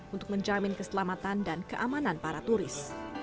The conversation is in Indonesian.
untuk menjamin keselamatan dan keamanan para turis